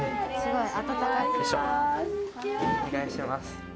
お願いします。